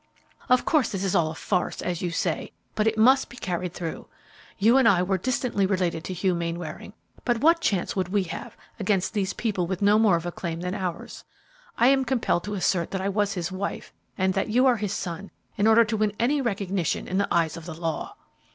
Of course, this is all a farce, as you say, but it must be carried through. You and I were distantly related to Hugh Mainwaring, but what chance would we have against these people with no more of a claim than ours? I am compelled to assert that I was his wife and that you are his son in order to win any recognition in the eyes of the law."